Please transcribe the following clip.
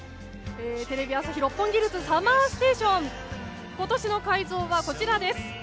「テレビ朝日・六本木ヒルズＳＵＭＭＥＲＳＴＡＴＩＯＮ」今年の会場はこちらです。